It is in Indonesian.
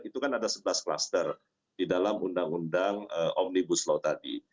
itu kan ada sebelas klaster di dalam undang undang omnibus law tadi